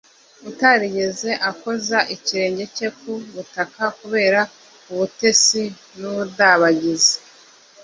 utarigeze akoza ikirenge cye ku butaka kubera ubutesi n’ubudabagizi,